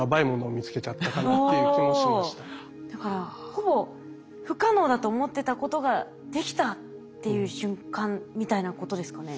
ほぼ不可能だと思ってたことができたっていう瞬間みたいなことですかね？